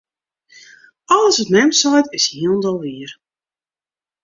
Alles wat mem seit, is hielendal wier.